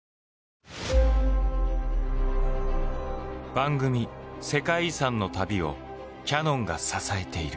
番組「世界遺産」の旅をキヤノンが支えている。